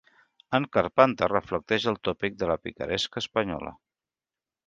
En Carpanta reflecteix el tòpic de la picaresca espanyola.